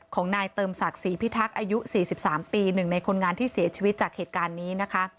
ของนายเติมศักดิ์ศรีพิทักษ์อายุ๔๓ปี๑ในคนงานที่เสียชีวิตจากเหตุการณ์นี้นะคะ